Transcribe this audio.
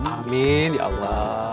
amin ya allah